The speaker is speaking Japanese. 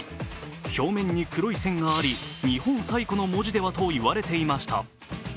表面に黒い線があり、日本最古の文字ではと言われていました。